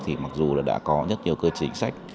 thì mặc dù là đã có rất nhiều cơ chế chính sách